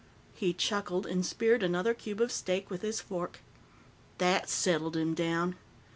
He chuckled and speared another cube of steak with his fork. "That settled him down.